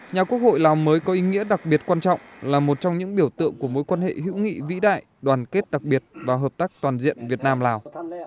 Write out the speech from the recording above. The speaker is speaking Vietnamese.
nhà quốc hội lào mới có ý nghĩa đặc biệt quan trọng là một trong những biểu tượng của mối quan hệ hữu nghị vĩ đại đoàn kết đặc biệt và hợp tác toàn diện việt nam lào